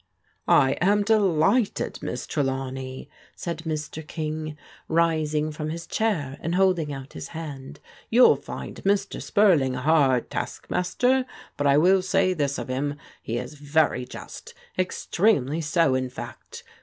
" I am delighted, Miss Trelawney," said Mr. King, rising from his chair and holding out his hand. " You'll find Mr. Spurling a hard taskmaster, but I will say this of him: he is very just, extremely so, in fact.